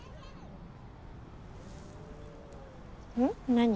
何？